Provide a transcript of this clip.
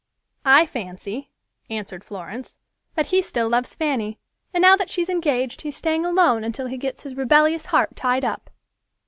"I fancy," answered Florence, "that he still loves Fanny, and now that she is engaged he is staying alone until he gets his rebellious heart tied up."